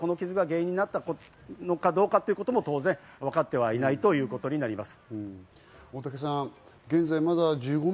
今回の事故に関しても、この傷が原因になったのかどうかということも当然分かってはいないということになります。